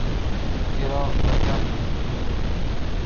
چہر ہ مسخ ہونے میں۔